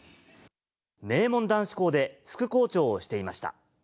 名門男子校で副校長をしていました。